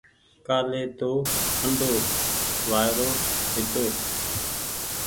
ڪآلي تو ٺنڍو وآئيرو هيتو۔